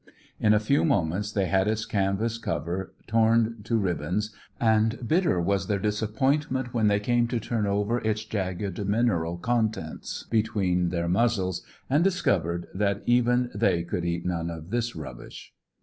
In a few moments they had its canvas cover torn to ribbons, and bitter was their disappointment when they came to turn over its jagged mineral contents between their muzzles, and discovered that even they could eat none of this rubbish.